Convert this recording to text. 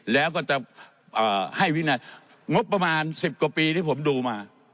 แล้วก็จะให้วินัยงบประมาณ๑๐กว่าปีที่ผมดูมา